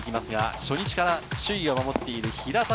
初日から首位を守っている平田